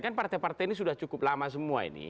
kan partai partai ini sudah cukup lama semua ini